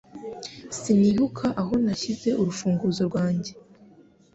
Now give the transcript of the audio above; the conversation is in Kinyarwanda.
Sinibuka aho nashyize urufunguzo rwanjye.